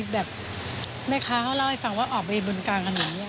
แบบแม่ค้าเขาเล่าให้ฟังว่าออกไปบนกลางถนน